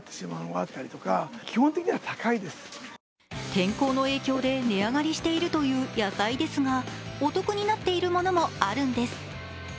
天候の影響で値上がりしているという野菜ですが、お得になっているものもあるんです。